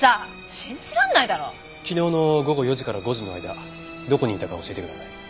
昨日の午後４時から５時の間どこにいたか教えてください。